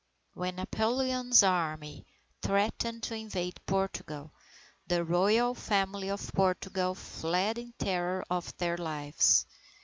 When Napoleon's Army threatened to invade Portugal, the Royal Family of Portugal fled in terror of their lives.